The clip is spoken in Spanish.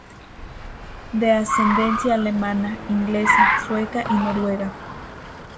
De ascendencia alemana, inglesa, sueca y noruega.